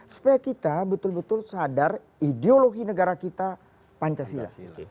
supaya kita betul betul sadar ideologi negara kita pancasila